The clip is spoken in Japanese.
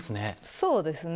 そうですね。